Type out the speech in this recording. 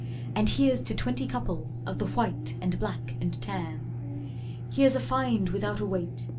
And here's to twenty couple Of the white and black and tan! Here's a find without await!